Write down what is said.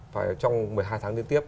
phải trong một mươi hai tháng liên tiếp